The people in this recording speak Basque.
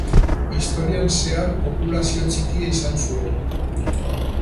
Historian zehar populazio txikia izan zuen.